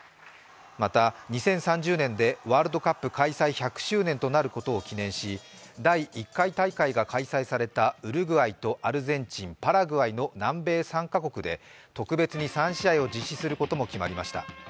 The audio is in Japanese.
また、２０３０年でワールドカップ開催１００周年となることを記念し第１回大会が開催されたウルグアイとアルゼンチン、パラグアイの南米３か国で特別に３試合を実施することも決まりました。